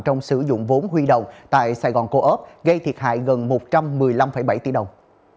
trong sử dụng vốn huy động tại sài gòn co op gây thiệt hại gần một trăm một mươi năm bảy tỷ đồng